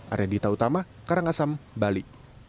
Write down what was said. arya dita utama karangasem bali